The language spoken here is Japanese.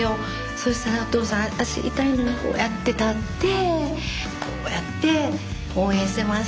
そしたらお父さん脚痛いのにこうやって立ってこうやって応援してました。